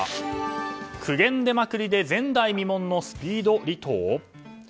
苦言出まくりで前代未聞のスピード離党？